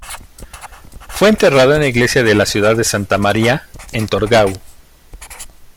Fue enterrada en la iglesia de la ciudad de Santa María, en Torgau.